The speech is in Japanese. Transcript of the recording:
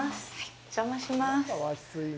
お邪魔します。